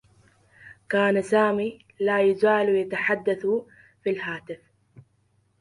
كان سامي لا يزال يتحدّث في الهاتف.